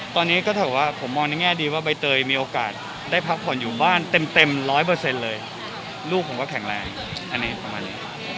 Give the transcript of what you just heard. ตอนนี้ก็ถือว่าผมมองในแง่ดีว่าใบเตยมีโอกาสได้พักผ่อนอยู่บ้านเต็มร้อยเปอร์เซ็นต์เลยลูกผมก็แข็งแรงอันนี้ประมาณนี้